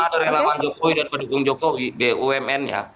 jika ada relawan jokowi dan pendukung jokowi di bumn nya